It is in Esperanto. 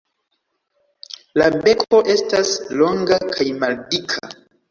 La beko estas longa kaj maldika.